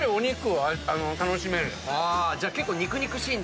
じゃあ結構肉々しいんだ。